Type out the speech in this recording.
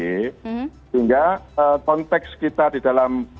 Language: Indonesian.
sehingga konteks kita di dalam